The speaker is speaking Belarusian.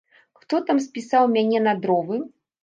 Хто там спісаў мяне на дровы?